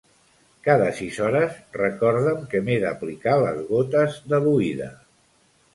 Cada sis hores recorda'm que m'he d'aplicar les gotes de l'oïda.